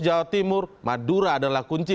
jawa timur madura adalah kunci